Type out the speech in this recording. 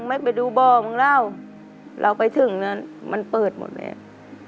ไม่ไปดูบ่อมึงแล้วเราไปถึงนั้นมันเปิดหมดแล้ว